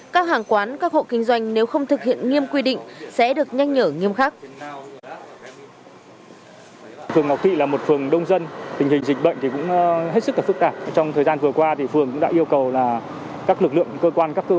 các hàng quán các hộ kinh doanh nếu không thực hiện nghiêm quy định sẽ được nhanh nhở nghiêm khắc